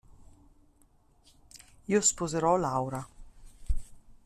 Io sposerò Laura.